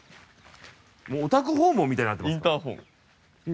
もうお宅訪問みたいになってますよ。